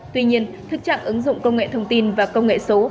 tuy nhiên thực trạng ứng dụng công nghệ thông tin và công nghệ số